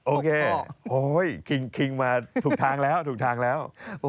โอเคโอ้โห้ยคิงมาถูกทางแล้ว